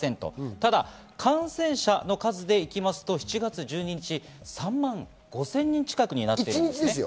ただ感染者の数でいうと７月１２日、３万５０００人近くになっています。